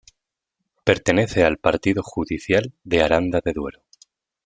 Pertenece al partido judicial de Aranda de Duero.